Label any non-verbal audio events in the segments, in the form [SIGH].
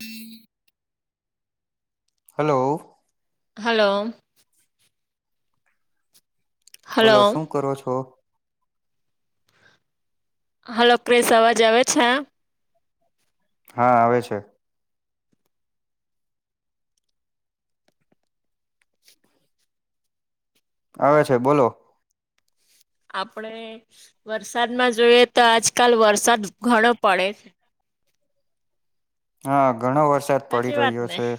હમ hello. Hello. Hello બોલો શું કરો છો? હલો, ક્રિશ અવાજ આવે છે? હા, આવે છે. આવે છે બોલો. આપડે વરસાદમાં જોઈએ તો આજકાલ વરસાદ ઘણો પડે છે. હા, ઘણો વરસાદ સાચી પડી વાત રહ્યો ને છે.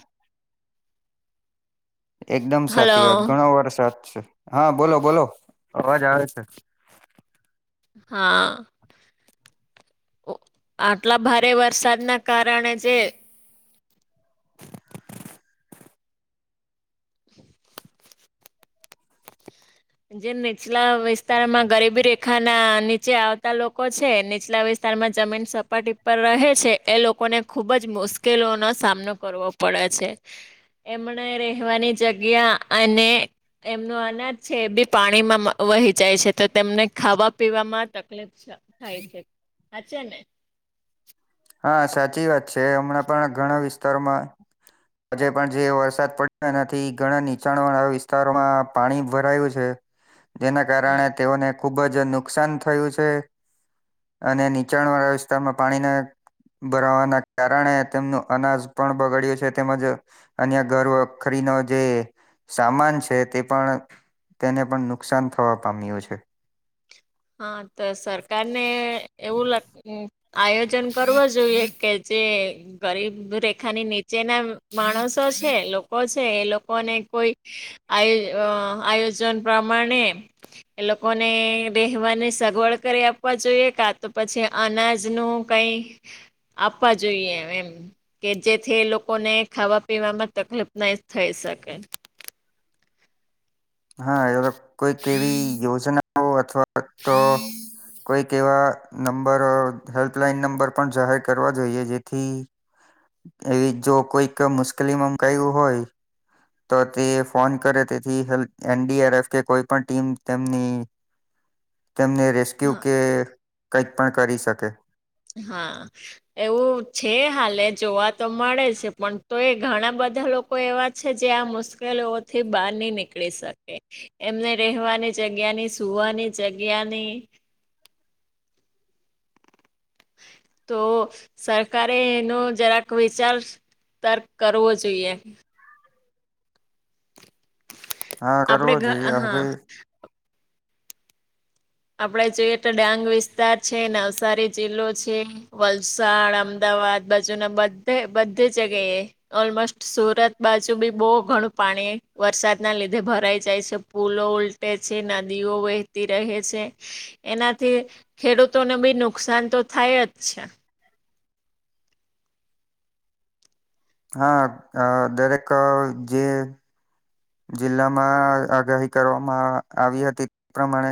એકદમ હલો સાચી વાત ઘણો વરસાદ છે. હા બોલો બોલો અવાજ આવે છે. હા. આટલા ભારે વરસાદના કારણે જે જે નીચલા વિસ્તારમાં ગરીબી રેખા ના નીચે આવતા લોકો છે નીચલા વિશ વિસ્તારમાં જમીન સપાટી પર રહે છે એ લોકોને ખૂબ જ મુશ્કેલોનો સામનો કરવો પડે છે. એમણે રહેવાની જગ્યા અને એમનો અનાજ છે એ બી પાણીમાં વહી જાય છે તો તેમને ખાવા પીવામાં તકલીફ છ થાય છે, હાચે ને? હા, સાચી વાત છે. હમણાં પણ ઘણા વિસ્તારમાં હજે પણ જે વરસાદ પડ્યો એનાથી ઘણા નીચાણ વાળા વિસ્તારોમાં પાણી ભરાયું છે. જેના કારણે તેઓને ખુબ જ નુકસાન થયું છે, અને નીચાણ વાળા વિસ્તારમાં પાણીને ભરાવાના કારણે તેમનું અનાજ પણ બગાડ્યું છે તેમજ અને આ ઘર વખરીનો જે સામાન છે તે પણ તેને પણ નુકસાનથવા પામ્યું છે. હા તો સરકાર ને એવું લ હમ આયોજનકરવો જોઈએ કે જે ગરીબ રેખાની નીચે ના માણસો છેએ લોકો છે એ લોકો ને કોઈ આ આયોજન પમાણે એ લોકોને બેહવાનીસગવડ કરી આપવા જોઈએ કા તો અનાજ નુ કઈ આપવા જોઈ એમ.. કે જેથી લોકોને ખાવા પીવાવામાં તકલીફ નહી થઈ શકે. હા એ કોઈક એવીયોજનાઓ અથવા તો કોઈ ક એવા નંબર હેલ્પલાઈન નંબર પણ જાહેર કરવા જોઈએ જેથી એવી જો કોઈક મુશ્કેલીમાંમુકાયું હોય. તો તે ફોન કરે તેથી એનડીઆરએફ કે કોઈ પણ ટીમ તેમની [INAUDIBLE] તેમને રેસ્ક્યુ હા કે કંઈક પણ કરી શકે. હા. એવું છે હાલે જોવા તો મળે છે પણ તો એ ઘણા બધા લોકો કો એવા છે જે આ મુશ્કેલીથી બહાર નહી નીકળી શકે. એમને રહેેવાની જગ્યા ની સુવાની જગ્યાની. તો સરકારે એનો જરાક વિચાર તરક કરવો જોઈએ. હા આપડે કરવો ઘ જોઈએ હા હવે આપડે જોઈએ તો ડાંગ વિસ્તાર છે નવસારી જિલ્લો છે. વલસાડ અમદાવાદ બાજુના બધે બધી જગ્યાએ. ઓલમસ્ટ સુરત બાજુ બી બહુ ઘણું પાણી વરસાદના લીધે ભરાઈ જાય છે પુલો ઉ તેછે નદીઓ વહેતી રહે. એનાથી ખેડૂતોને બી નુકસાન તો થાય જ છે. હા દરેક જે જિલ્લામાં આગાહી કરવામાં આવી હતી તે પ્રમાણે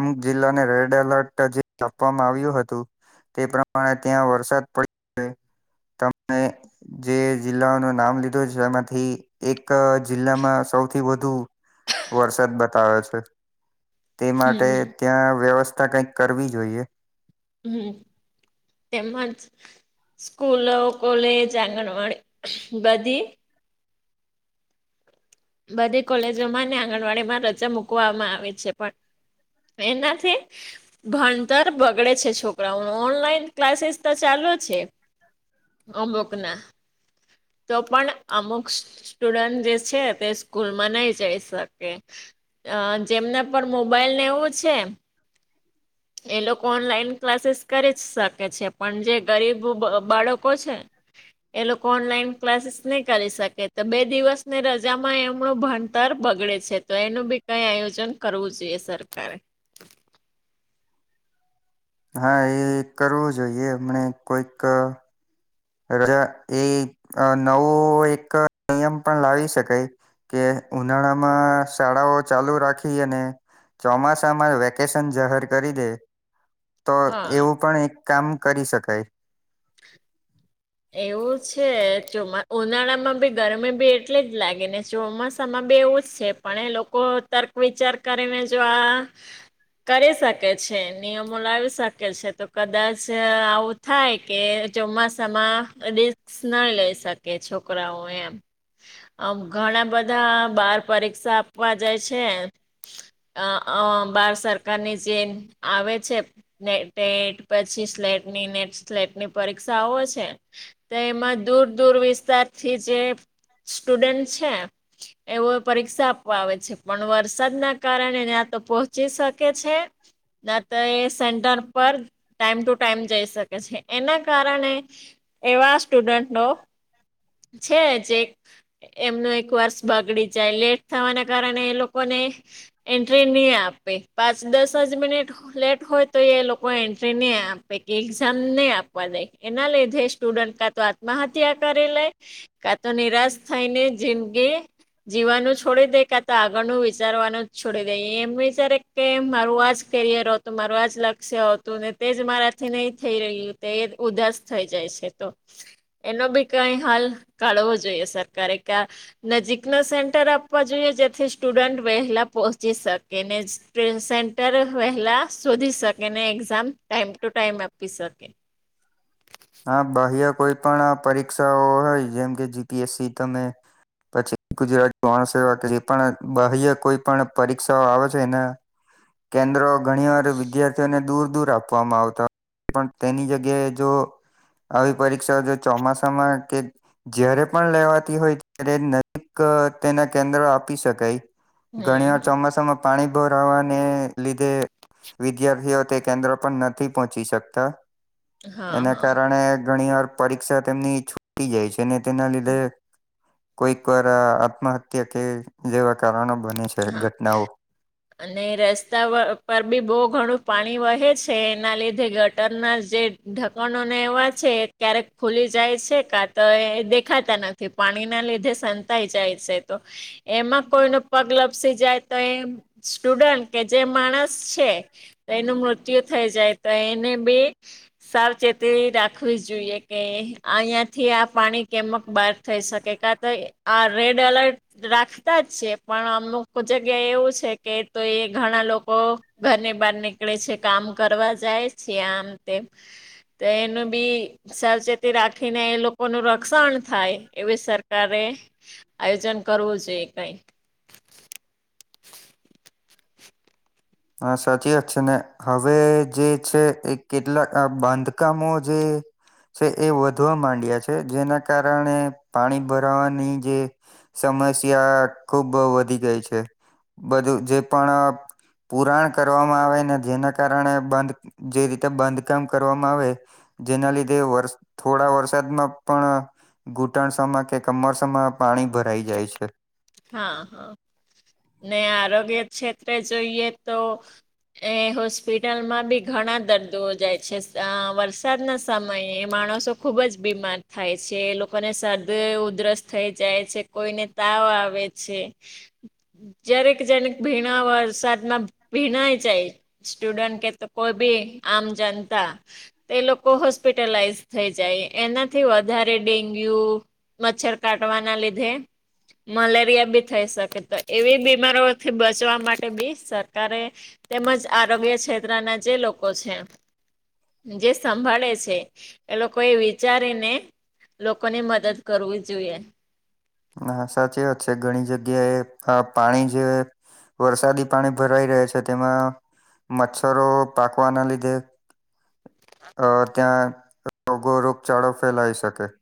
અમુક જિલ્લાને રેડ એલર્ટ જે આપવામાં આવ્યું હતું. તે પ્રમાણે ત્યાં વરસાદ પડીયો. તમે જે જિલ્લાઓનું નામ લીધું છે એમાંથી એક જિલ્લામાં સૌથીવધુવરસાદ બતાવે છે. તે માટે હમ ત્યાં વ્યવસ્થા કઈક કરવી જોઈએ. હમ, તેમાં જ. સ્કૂલો કોલેજ આંગણવાડી બધી બધી કોલેજોમાં ને આંગણવાડી માં રજા મૂકવામાં આવે છે પણ એનાથી ભણતર બગડે છે છોકરાઓ નુઓનલાઈન ક્લાસીસ તો ચાલુ છે. અમુક ના. તો પણ અમુક સ્ટુડન્ટ જે છે તે સ્કૂલમાં નહી જઈ શકે. અ જેમને પર મોબાઈલ નેવું છે. એ લોકો ઓનલાઈન ક્લાસીસ કરી જ શકે છે, પણ જે ગરીબ બાળકો છે. એ લોકો ઓનલાઈન ક્લાસીસ નહી કરી શકે, તો બે દિવસને રજામાં એમનો ભ તર બગડે છે, તો એનું બી કઈ આયોજન કરવું જોઈએ સરકારે. હા, એ કરવું જોઈએ. એમને કોઈક રજાએ નવો એક નિયમ પણ લાવી શકાય. કેઉનાળામાં શાળાઓ ચાલુ રાખી અને ચોમાસામાં વેકેશન જાહેર કરી દે. તો હા એવું પણ એક કામ કરી શકાય. એવું છે. ચોમા ઉનાળામાં બી ગરમી બી એટલી જ લાગે ને, ચોમાસામાં બી એવું જ છે. પણ એ લોકો તર્ક વિચાર કરી ને જો આ કરી શકે છે. નિયમો લાવી શકે છે, તો કદાચ આવું થાય કે ચોમાસામાં રિસ્ક ન લઈ શકે. છોકરાઓ એમ. આમ ઘણા બધા બાહર પરીક્ષા આપવા જાય છે્. અ અ બાહર સરકારની જેમ આવે છે. ને ટેટ પછી સ્લેટની નેટ સ્લેટની પરીક્ષાઓ છે. તો એમાં દૂર દૂર વિસ્તારથી જે સ્ટુડન્ટ છે. એવો પરીક્ષા આપવા પણ વરસાદના કારણેનેં તો પહોંચી શકે છે. ના તો એ સેન્ટર પર ટાઈમ ટુ ટાઈમ જઈ શકે છે. એના કારણે એવા સ્ટુડન્ટનો છે જ એક. એમનું એક વર્ષ બગડી જાય. લેટ થવાના કારણે એ લોકોને એન્ટ્રી નહી આપે. પાંચ દસજ મિનિટ લેટ હોય, તો એ લોકો એન્ટ્રી નહી આપે. એક્ઝામ નહી આપવા દે. એના લીધે સ્ટુડન્ટ કા તો આત્મહત્યા કરી લે. કા તો નિરાશ થાયને જિંદગી જીવાનું છોડી દે. કા તો આગળનું વિચારવાનું જ છોડી દે. એમ વિચારે કે મારું આજ કેરિયર હો તો મારું આ ને તે જ મારાથી નહી થઈ રહ્યું. તે એ ઉદાસ થઈ જાય છે. તો એનો બી કઈ હાલ કાઢવો જોઈએ. સરકારે ક્યા નજીકનો સેન્ટર આપવા જોઈએ, જેથી સ્ટુડન્ટ વહેલા પો શકેને, સેન્ટર વહેલા શોધી શકેને, એક્ઝામ ટાઈમ ટુ ટાઈમ પીસકે હા, બાહ્ય કોઈ પણ આ પરીક્ષાઓ હોય, જેમ કે જીપીએસસી તમે પછી ગુજરાતી [UNINTELLIGIBLE] સવા કે જે પણ બાહ્ય કોઈ પણ પરીક્ષાઓ આવે છે એના કેન્દ્રો ઘણીવાર વિદ્યાર્થીઓને દૂર દૂર આપવામાં આવતા. પણ તેની જગ્યાએ જો આવી પરીક્ષાઓ જો ચોમાસામાં કે જયારે પણ લેવાતી હોય, ત્યારે નજીક તેના કેન્દ્રો આપી શકાય. ઘણી હમ વાર હમ ચોમાસામાં પાણી ભહરાવાને લીધે વિદ્યાર્થીઓ તે કેન્દ્ર પણ નથી પહોંચી શકતા. હા એના હા કારણે ઘણી વાર પરીક્ષા તેમની છૂટી જાય છે. તેના લીધે કોઈક વાર આત્મહત્યા કે એવા કારણો બને છે. હા. ઘટનાઓ. અને રસ્તા પર બી બહુ ઘણું પાણી વહે છે. એના લીધે ગટરના જે ઢકણોને એવા છે. ક્યારેક ખુલી જાય છે, કા તો એ દેખાતા નથી. પાણી ના લીધે સંતાઈ જાય છે તો, એમાં કોઈનો પગ લપસી તો એ સ્ટુડન્ટ કે જે માણસ છે. એનું મૃત્યુ થઈ જાય તો એને બે. સાવચેતી રાખવી જોઈએ કે અહીયાયાથી આ પાણી કેમક થઈ શકે કા તો આ રેડ એલર્ટ રાખતા જ છે. પણ અમુક જગ્યા એવું છે કે તો ઘણા લોકો ઘરને બહાર નીકળે છે કામ કરવા જાય છે આમ તેમ. તે એનું બી સાવચેતી રાખીને એ લોકોનું રક્ષણ થાય એવી સરકારે આયોજન કરવું જોઈએ કાઈ. હા સાચી વાત છે ને હવે જે છે એ કેટલાક આ બાંધકામો જે છે એ વધવા માંડયા છે કારણે પાણી ભરાવાની જે સમસ્યા ખુબ વધી ગઈ છે, બધું જે પણ પુરાણ કરવામાં આવે ને જેના કારણે બંધ જે રીતે બાંધકામ કરવામ આવે. જેના લીધે વર થોડા વરસાદમાં પણ ઘૂંટણસમાં કે કમરસામાં પાણી ભરાઈ જાય છે. હા હા, ને આરોગ્ય ક્ષેત્રે જોઈએ તો એ હોસ્પિટલમાં બી ઘણા દર્દીઓ જાય છે આ વરસાદના સમયે માણસો ખુબ જ બીમાર થાય છે એ લોકોને શરદી ઉધરસ થઈ જાય છે કોઈને તાવ આવ આવે છે, જ્યારેક જનેક ભીણા વરસાદમાં ભીનાઇ જાય. સ્ટુડેન્ટ કે તો કોઈ ભી આમ જનતા. એ લોકો હોસ્પિટલાઈઝ થઈ જાય એનાથી વધારે ડેન્ગ્યુ. મચ્છર કાટવાના લીધે. મલેરિયા બી થઈ શકે તો એવી બીમારીઓથી બચવા માટે બી સરકારે. તેમજ આરોગ્ય ક્ષેત્રના જે લોકો છે. જે સંભાળે છે, એ લોકો એ વિચારીને લોકોની મદદ કરવું જોઈએ. ના સાચ વાત છે ઘણી જગ્યાએ આ પાણી જે વરસાદી પાણી ભરાઈ રહે છે તેમાં મચ્છરો પાકવાના લીધે. અ ત્યાં રોગો રોગચાળો ફેલાઈ શકે.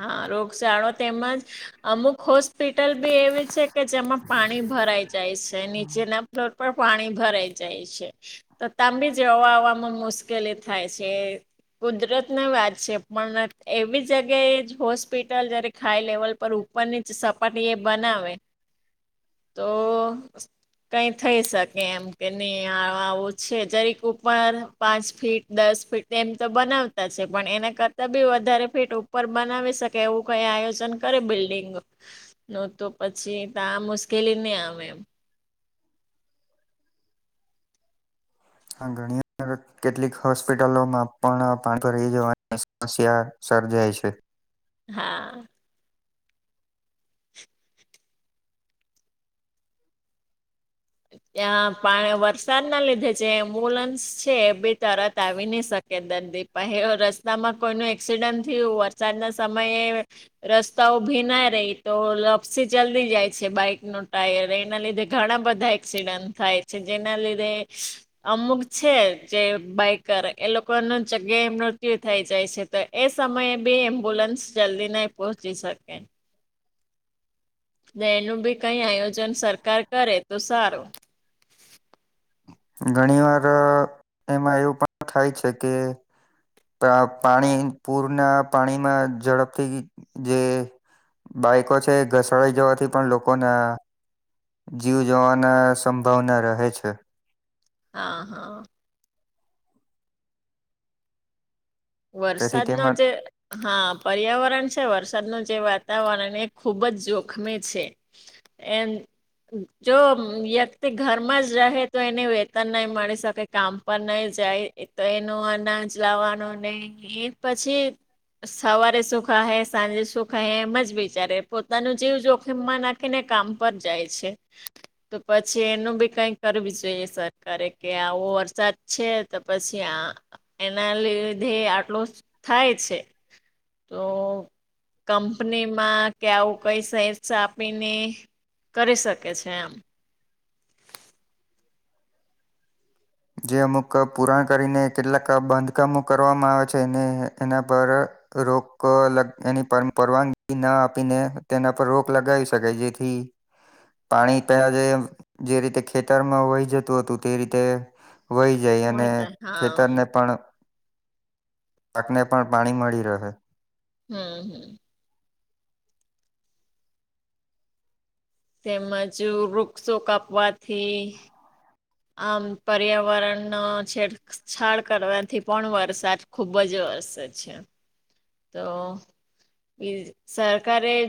હા રોગચાળો તેમજ અમુક હોસ્પિટલ બી એવી છે કે જેમાં પાણી ભરાઈ જાય છે નીચેના ફલો પણ પાણી ભરાઈ જાય છે. તો તાંબી જવાવામાં મુશ્કેલી થાય છે. કુદરત ને વાત છે પણ એવી જગ્યાએ હોસ્પિટલ જરીક હાઈ લેવલ પર ઉપરની જ સપાટી એ બનાવે. તો સા કઈ થઈ શકે એમ કે નહી આ આવું છે જરીક ઉપર પાંચ ફીટ દસ ફીટ તેમ તો બનાવતા છે પણ એના કરતાં બી વધારે ફીટ ઉપર બનાવી શકે એવું કઈ આયોજન કરે બિલ્ડિંગ. તો તો પછી તા મુશ્કેલી નહી આવે એમ. આ ઘણી અંદર [UNINTELLIGIBLE] કેટલીક હોસ્પિટલોમાં પણ પાણી ભરાઈ જવાની સમસ્યા સર્જાય છે. હા. ત્યાં પા વરસાદના લીધે જે એમ્બુલન્સ છે એ બી તરત આવી ની શકે કે દર્દી પાહે અ રસ્તામાં કોઈનું એક્સિડન્ટ થયું વરસાદના સમયે રસ્તાઓ ભીના રહે તો લપસી જલ્દી જાય છે બાઈક નો ટાયર એના લીધે ઘણા બધા એક્સિડન્ટ થાય છે જેના લીધે અમુક છે જે બાઈકર એ લોકોનું જગ્યાએ મૃત્યુ થઈ જાય છે તો એ સમયે બી એમ્બ્યુલન્સ જલ્દી નહીં પહોંચી શકે તો એનું ભી કઈ આયોજન સરકાર કરે તો સારું ઘણી વાર એમાં એવું પણ થાય છે કે પ્ર પાણી પૂરના પાણીમાં ઝડપથી જે બાઈકો છે એ ઘસડાઈ જવાથી પણ લોકોને જીવ જવાના સંભાવના રહે છે આ હ તેથી વરસાદનો તેમાં જે હા પર્યાવરણ છે વરસાદનું જે વાતાવરણ એ ખૂબ જ જોખમે છે. એમ જો વ્યક્તિ ઘરમાં જ રહે તો એને વેતન નહી મળી શકે કામ પર નહી જાય તો એનો અનાજ લાવવાનો નહી એ પછી સવારે સુખા હ સાંજે સુખા હ એમ જ વિચારે પોતાનું જીવ જોખમમાં નાખ ખીને કામ પર જાય છે. તો પછી એનું બી કઈ કરવી જોઈએ સરકારે કે આવો વરસાદ છે તો પછી આ એના લીધે આટલો થાય છે તો કંપનીમાં કે આવું કઈ સેર્સ આપીને કરી શકે છે એમ જે અમુક પૂરાણ કરીને કેટલાક બાંધકામો કરવામાં આવે છે એને એના પર રોક એની પરવાનગી ના આપીને તેના પર રોક લગાવી શકાય જેથી પાણી પહેલાં જે જે રીતે ખેતરમાં વહી જતું હતું તે રીતે વહી જાય અને હા ખેતરને પણ પાક ને પણ પાણી મળી રહે. હમ હમ તેમજ વૃક્ષો કાપવાથી? આમ પર્યાવરણનો છેડછાડ કરવાથી પણ વરસાદ ખૂબ જ વરસે છે. તો સરકારે જો